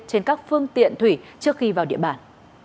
trên các phương tiện thủy trước khi vào địa bàn